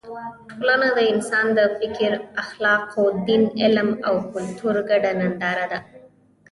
ټولنه د انسان د فکر، اخلاقو، دین، علم او کلتور ګډه ننداره ده.